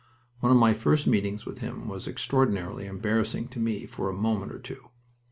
One of my first meetings with him was extraordinarily embarrassing to me for a moment or two.